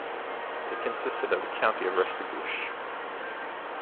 It consisted of the County of Restigouche.